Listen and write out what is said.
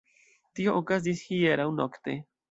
Tio okazis hieraŭ nokte.